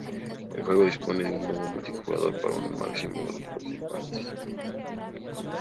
El juego dispone de un modo multijugador para un máximo de dos participantes.